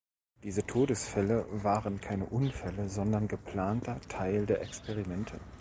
Diese Todesfälle waren keine Unfälle, sondern geplanter Teil der Experimente.